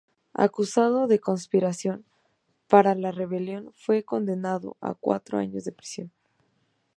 Acusado de "conspiración para la rebelión", fue condenado a cuatro años de prisión.